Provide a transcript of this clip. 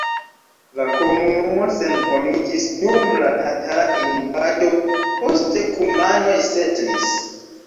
La komunumo senhomiĝis dum la tatara invado, poste kumanoj setlis.